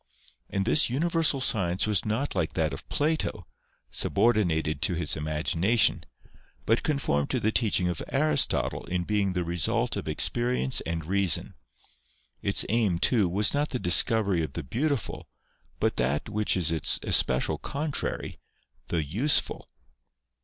And this universal science was not like that of Plato, subor dinated to his imagination, but conformed to the teaching of Aristotle in being the result of experience and reason ; its aim, too, was not the discovery of the beautiful, but that which is its especial contrary, the useful.